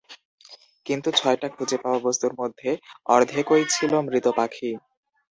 কিন্তু, ছয়টা খুঁজে পাওয়া বস্তুর মধ্যে অর্ধেকই ছিল মৃত পাখি।